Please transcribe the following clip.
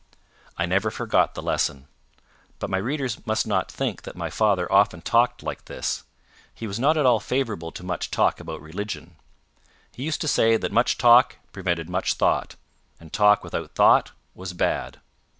I never forgot the lesson. But my readers must not think that my father often talked like this. He was not at all favourable to much talk about religion. He used to say that much talk prevented much thought, and talk without thought was bad.